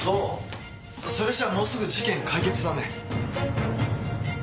それじゃもうすぐ事件解決だね。